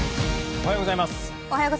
おはようございます。